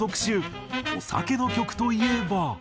お酒の曲といえば。